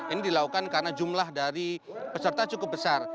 ini dilakukan karena jumlah dari peserta cukup besar